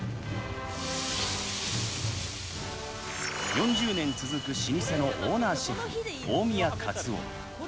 ４０年続く老舗のオーナーシェフ、大宮勝雄。